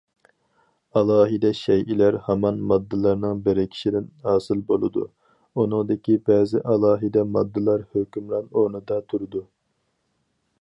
ئالاھىدە شەيئىلەر ھامان ماددىلارنىڭ بىرىكىشىدىن ھاسىل بولىدۇ، ئۇنىڭدىكى بەزى ئالاھىدە ماددىلار ھۆكۈمران ئورۇندا تۇرىدۇ.